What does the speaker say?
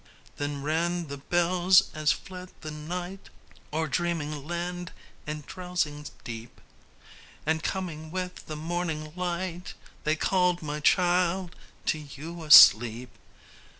Then rang the bells as fled the night O'er dreaming land and drowsing deep, And coming with the morning light, They called, my child, to you asleep.